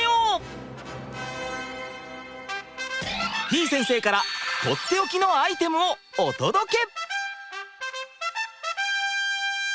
ぃ先生からとっておきのアイテムをお届け！